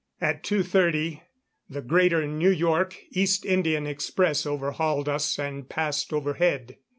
At two thirty, the Greater New York East Indian Express overhauled us and passed overhead.